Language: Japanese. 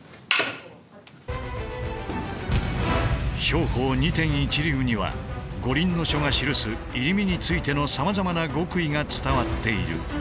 兵法二天一流には「五輪書」が記す入身についてのさまざまな極意が伝わっている。